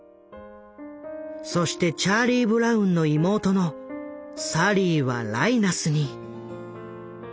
そしてチャーリー・ブラウンの妹のサリーはライナスに。